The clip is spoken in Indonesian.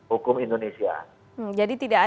hukum indonesia jadi